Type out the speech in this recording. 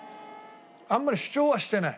あんまり主張はしてない。